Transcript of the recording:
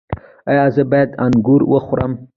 ایا زه باید انګور وخورم؟